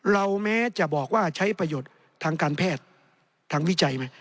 แม้จะบอกว่าใช้ประโยชน์ทางการแพทย์ทางวิจัยไหม